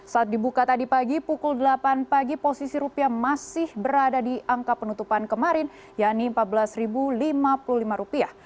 saat dibuka tadi pagi pukul delapan pagi posisi rupiah masih berada di angka penutupan kemarin yakni empat belas lima puluh lima rupiah